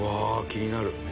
気になる。